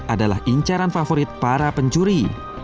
adalah incaran favorit para pencuri